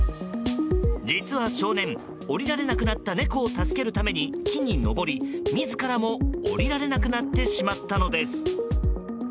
実は少年、降りられなくなった猫を助けるために木に登り自らも降りられなくなってしまったのです。